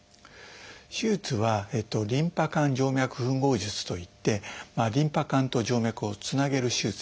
手術は「リンパ管静脈ふん合術」といってリンパ管と静脈をつなげる手術です。